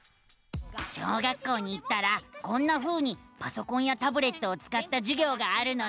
小学校に行ったらこんなふうにパソコンやタブレットをつかったじゅぎょうがあるのさ！